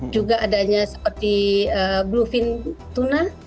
juga adanya seperti bluefin tuna